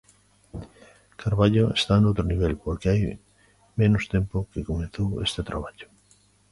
Carballo está noutro nivel, porque hai menos tempo que comezou este traballo.